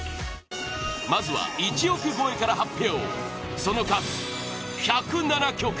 まずは１億超えから発表！